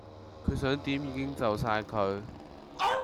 佢想點已經就哂佢